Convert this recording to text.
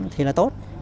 thì là tốt